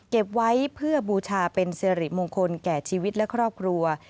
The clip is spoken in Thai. เก็บไว้เพื่อบูชาเป็นสิริมงคลแก่ชีวิตและครอบครัว